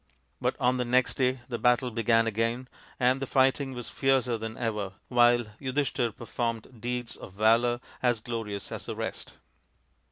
But on the next day the battle began again, and the fighting was fiercer than ever, while Yudhishthir performed deeds of valour as glorious as the rest.